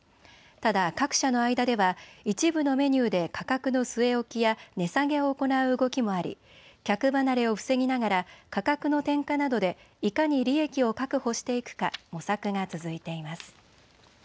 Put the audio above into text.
ただ各社の間では一部のメニューで価格の据え置きや値下げを行う動きもあり客離れを防ぎながら価格の転嫁などでいかに利益を確保していくか模索が続いています。